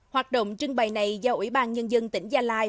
hoạt động trưng bày này do ủy ban nhân dân tỉnh gia lai